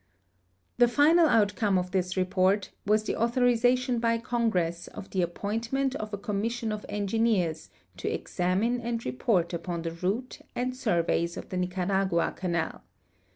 The final outcome of this report was the authorization by Con gre.ss of the ai>pointment of a commission of engineers to examine and report upon the route and surve3's of the Nicaragua canal.